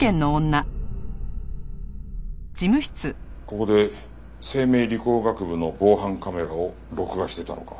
ここで生命理工学部の防犯カメラを録画してたのか。